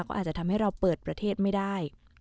ก็อาจจะทำให้เราเปิดประเทศไม่ได้